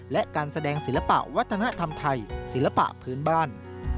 และการแสดงศิลปะวัฒนธรรมไทยศิลปะพื้นบ้าน